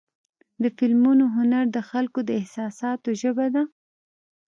د فلمونو هنر د خلکو د احساساتو ژبه ده.